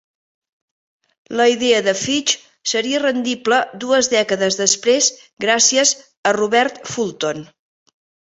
La idea de Fitch seria rendible dues dècades després gràcies a Robert Fulton.